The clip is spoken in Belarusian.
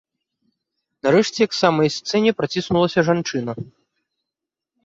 Нарэшце к самай сцэне праціснулася жанчына.